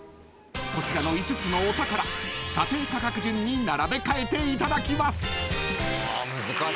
［こちらの５つのお宝査定価格順に並べ替えていただきます］